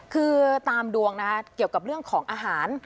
คือตามดวงนะคะเกี่ยวกับเรื่องของอาหาร